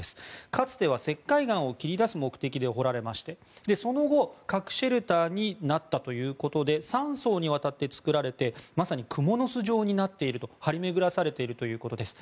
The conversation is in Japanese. かつては石灰岩を切り出す目的で掘られましてその後、核シェルターになったということで３層にわたって作られてまさに蜘蛛の巣状に張り巡らされているということです。